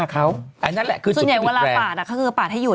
มันแคบ๒ปี